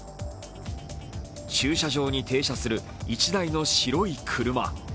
駐車場に停車する１台の白い車。